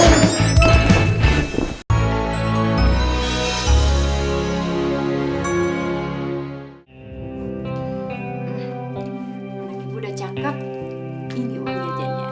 anak ibu udah cakep ini uangnya aja ya